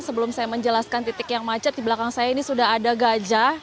sebelum saya menjelaskan titik yang macet di belakang saya ini sudah ada gajah